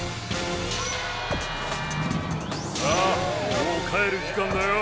さあもう帰る時間だよ。